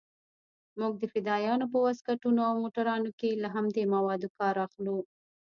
موږ د فدايانو په واسکټونو او موټرانو کښې له همدې موادو کار اخلو.